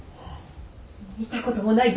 見たこともない